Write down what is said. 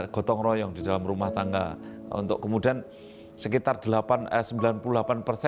gotong royong di dalam rumah tangga untuk kemudian sekitar delapan jutaan yang berada di rumah tangga